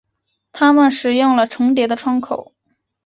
他们使用了重叠的窗口。